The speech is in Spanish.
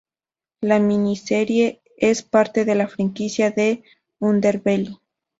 La miniserie es parte de la franquicia de Underbelly.